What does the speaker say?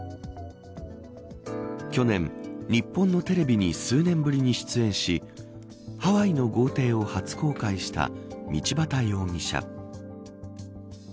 去年、日本のテレビに数年ぶりに出演しハワイの豪邸を初公開した道端容疑者。